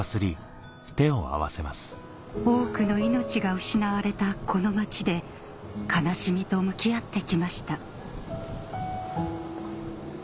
多くの命が失われたこの町で悲しみと向き合ってきました